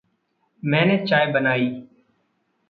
मैंने चाय बनाई।